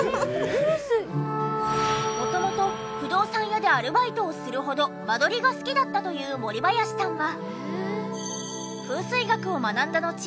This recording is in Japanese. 元々不動産屋でアルバイトをするほど間取りが好きだったというもりばやしさんは。